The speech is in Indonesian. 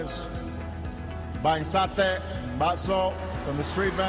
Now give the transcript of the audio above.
membeli sate dan baso dari pembawa jalanan